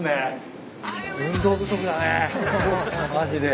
運動不足だねマジで。